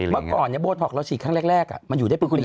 เมื่อก่อนโบท็อกเราฉีดครั้งแรกมันอยู่ได้ปุรี